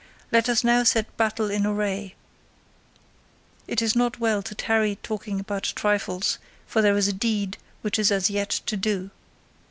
Let us now set battle in array; it is not well to tarry talking about trifles, for there is a deed which is as yet to do.